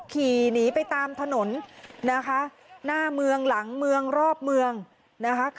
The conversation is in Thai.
ขี่หนีไปตามถนนนะคะหน้าเมืองหลังเมืองรอบเมืองนะคะ